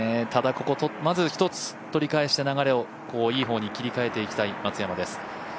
ただ、まず１つ取り返して流れをいい方向に切り返していきたい松山です。